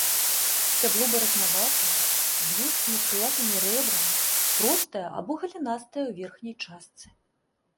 Сцябло баразнаватае, з вузкімі крылатымі рэбрамі, простае або галінастае ў верхняй частцы.